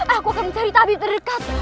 aku akan mencari tabi terdekat